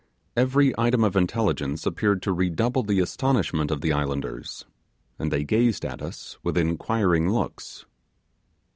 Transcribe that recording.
Every item of intelligence appeared to redouble the astonishment of the islanders, and they gazed at us with inquiring looks.